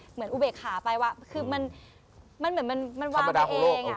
เหมือนอุเบกขาไปว่าคือมันเหมือนมันวางไปเอง